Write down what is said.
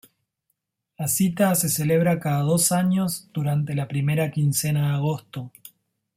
La cita se celebra cada dos años, durante la primera quincena de agosto.